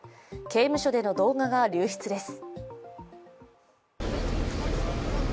刑務所での動画が流出です。